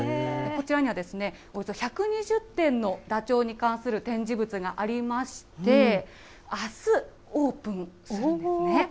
こちらには、およそ１２０点のダチョウに関する展示物がありまして、あすオープンするんですね。